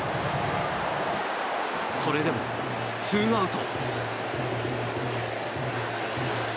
それでも、ツーアウト。